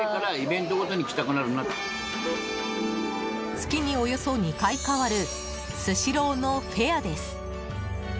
月におよそ２回変わるスシローのフェアです。